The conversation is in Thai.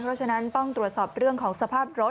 เพราะฉะนั้นต้องตรวจสอบเรื่องของสภาพรถ